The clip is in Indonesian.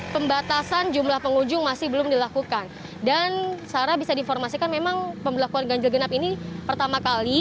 pembatasan jumlah pengunjung masih belum dilakukan dan sarah bisa diinformasikan memang pembelakuan ganjil genap ini pertama kali